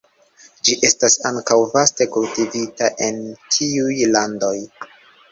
Ĝi estas ankaŭ vaste kultivita en tiuj landoj.